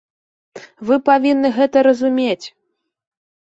Вы павінны гэта разумець!